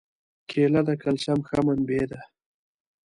کېله د کلسیم ښه منبع ده.